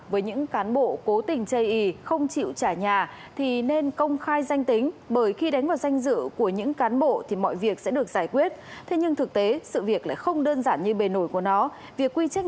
và những câu chuyện cảm động của dân và quân ở hai bờ những ngày còn chia cắt